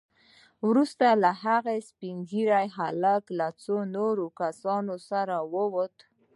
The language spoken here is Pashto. وروسته هغه سپين هلک له څو نورو کسانو سره ووت.